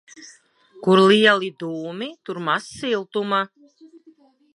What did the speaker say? Kur lieli dūmi, tur maz siltuma.